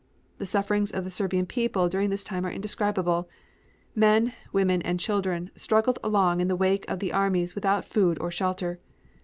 The sufferings of the Serbian people during this time are indescribable. Men, women, and children struggled along in the wake of the armies without food or shelter.